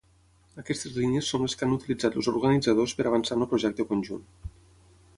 Aquestes línies són les que han utilitzat els organitzadors per avançar en el projecte conjunt.